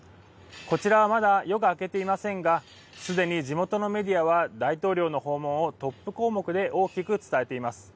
こちらはまだ夜が明けていませんが、すでに地元のメディアは大統領の訪問をトップ項目で大きく伝えています。